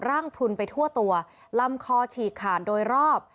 พลุนไปทั่วตัวลำคอฉีกขาดโดยรอบ